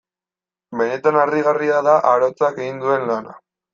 Benetan harrigarria da arotzak egin duen lana.